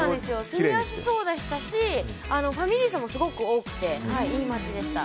住みやすそうでしたしファミリー層もすごく多くていい街でした。